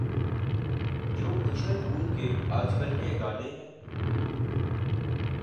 جو اچھل کود کے آج کل کے گانے ہیں۔